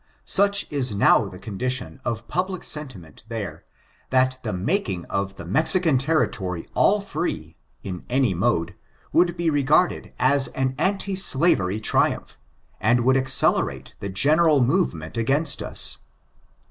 Such is now the condition of public sentiment there, that the making of the Mexican territory all free, in any mode, would be regarded as an anti slavery triumph, and would accelerate the general movement against us.